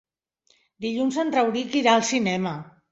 Dilluns en Rauric irà al cinema.